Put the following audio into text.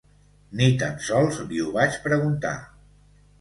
Ni tan sols li ho vaig preguntar.